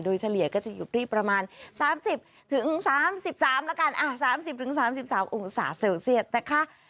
โดยเฉลี่ยก็จะอยู่ที่ประมาณ๓๐๓๓เซลเซียสนะคะ